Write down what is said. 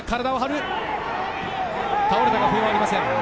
倒れたが笛はありません。